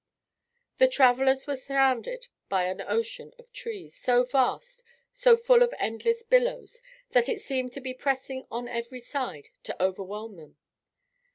The travellers were surrounded by an ocean of trees, so vast, so full of endless billows, that it seemed to be pressing on every side to overwhelm them.